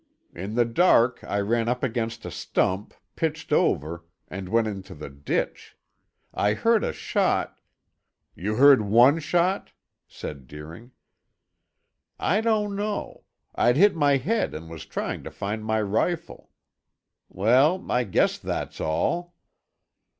In the dark, I ran up against a stump, pitched over, and went into the ditch. I heard a shot " "You heard one shot?" said Deering. "I don't know I'd hit my head and was trying to find my rifle. Well, I guess that's all!"